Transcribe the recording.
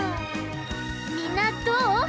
みんなどう？